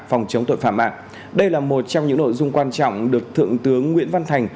phòng chống tội phạm mạng đây là một trong những nội dung quan trọng được thượng tướng nguyễn văn thành